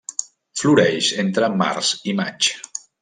Floreix entre març i maig.